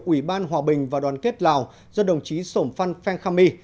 ủy ban hòa bình và đoàn kết lào do đồng chí sổm phan phan khammy